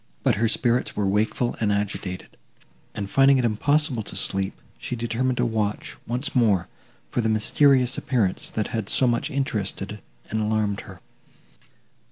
But her spirits were wakeful and agitated, and, finding it impossible to sleep, she determined to watch, once more, for the mysterious appearance, that had so much interested and alarmed her.